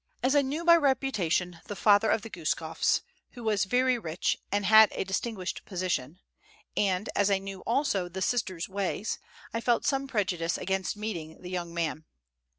As I knew by reputation the father of the Guskofs, who was very rich and had a distinguished position, and as I knew also the sister's ways, I felt some prejudice against meeting the young man.